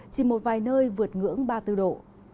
chỉ một vài nơi vượt ngưỡng ba bốn độ